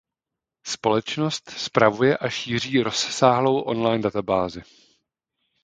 Společnost spravuje a šíří rozsáhlou online databázi.